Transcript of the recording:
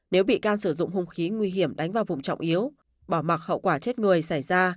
nếu bị can sử dụng hung khí nguy hiểm đánh vào vùng trọng yếu bỏ mặc hậu quả chết người xảy ra